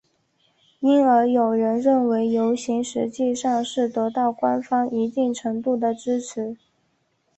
因而有人认为游行实际上是得到官方一定程度的支持。